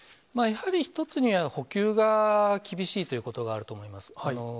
やはり一つには、補給が厳しいということがあると思います。